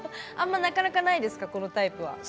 なかなかないですか、このタイプ。